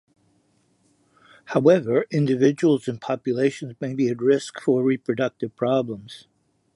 However, individuals and populations may be at risk for reproductive problems.